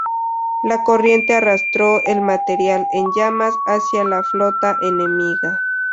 La corriente arrastró el material en llamas hacia la flota enemiga.